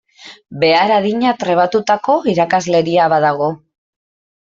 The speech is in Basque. Behar adina trebatutako irakasleria badago.